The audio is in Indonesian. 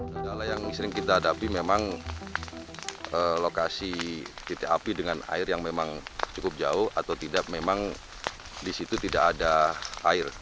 kendala yang sering kita hadapi memang lokasi titik api dengan air yang memang cukup jauh atau tidak memang di situ tidak ada air